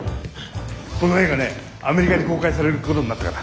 この映画ねアメリカで公開されることになったから。